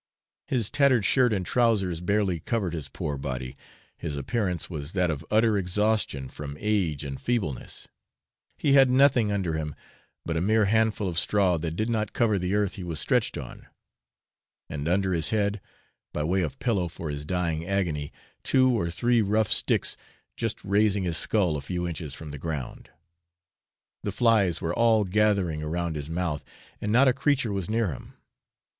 His tattered shirt and trousers barely covered his poor body; his appearance was that of utter exhaustion from age and feebleness; he had nothing under him but a mere handful of straw that did not cover the earth he was stretched on; and under his head, by way of pillow for his dying agony, two or three rough sticks just raising his skull a few inches from the ground. The flies were all gathering around his mouth, and not a creature was near him.